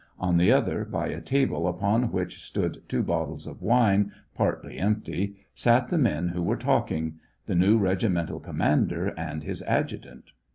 On the other, by a table upon which stood two bottles of wine, partly empty, sat the men who were talking — the new regimental commander and his adjutant.